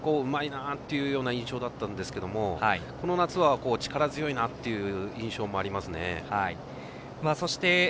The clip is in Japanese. センバツの時は非常にうまいなというような印象だったんですけど、この夏は力強いなっていう印象もありますね。